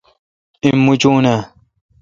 ایم موچون اں؟